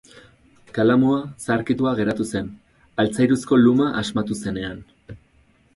Kalamua, zaharkitua geratu zen altzairuzko luma asmatu zenean.